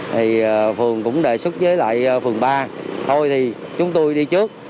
thì phường cũng đề xuất với lại phường ba thôi thì chúng tôi đi trước